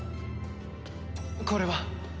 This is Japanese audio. これは？